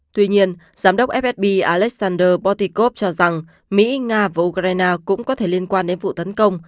tuy nhiên giám đốc fsb alexander botikov cho rằng mỹ nga và ukraine cũng có thể liên quan đến vụ tấn công